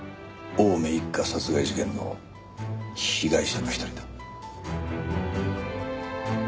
青梅一家殺害事件の被害者の一人だ。